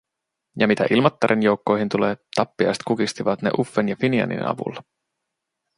Ja mitä Ilmattaren joukkoihin tulee, tappiaiset kukistivat ne Uffen ja Finianin avulla.